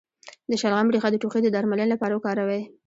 د شلغم ریښه د ټوخي د درملنې لپاره وکاروئ